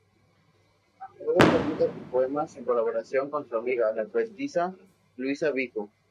A menudo publicaba sus poemas en colaboración con su amiga, la poetisa Luisa Vico.